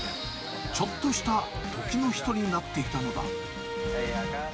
ちょっとした時の人になっていたのだ。